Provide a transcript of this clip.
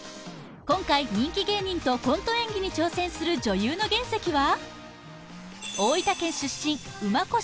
今回人気芸人とコント演技に挑戦する女優の原石は？